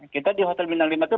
kita di hotel bintang lima itu